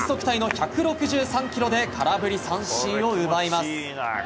タイの１６３キロで空振り三振を奪います。